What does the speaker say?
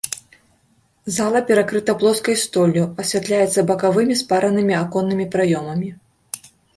Зала перакрыта плоскай столлю, асвятляецца бакавымі спаранымі аконнымі праёмамі.